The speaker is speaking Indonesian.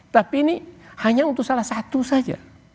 tapi ini hanya untuk salah satu saja